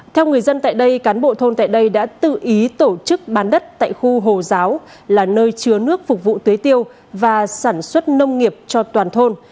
theo người dân tại đây cán bộ thôn tại đây đã tự ý tổ chức bán đất tại khu hồ giáo là nơi chứa nước phục vụ tưới tiêu và sản xuất nông nghiệp cho toàn thôn